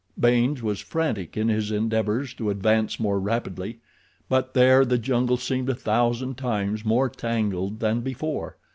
Baynes was frantic in his endeavors to advance more rapidly, but there the jungle seemed a thousand times more tangled than before.